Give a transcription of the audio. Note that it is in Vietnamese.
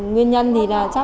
nguyên nhân thì cháu yếu